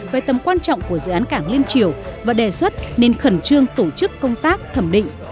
về tầm quan trọng của dự án cảng liên triều và đề xuất nên khẩn trương tổ chức công tác thẩm định